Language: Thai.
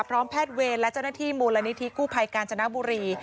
พร้อมแพทย์เวรและเจ้าหน้าที่มูลนิธิกู้ภัยกาญจนบุรี